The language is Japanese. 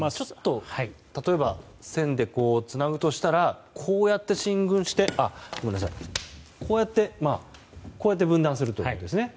例えば線でつなぐとしたらこうやって進軍して分断するということですね。